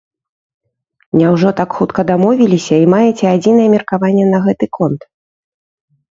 Няўжо так хутка дамовіліся і маеце адзінае меркаванне на гэты конт?